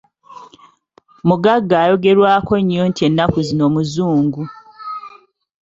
Mugagga ayogerwako nnyo nti ennaku zino muzungu.